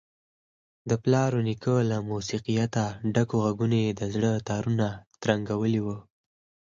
د پلار ونیکه له موسیقیته ډکو غږونو یې د زړه تارونه ترنګولي وو.